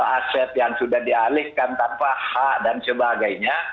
aset yang sudah dialihkan tanpa hak dan sebagainya